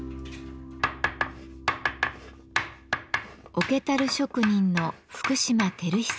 桶樽職人の福島輝久さん。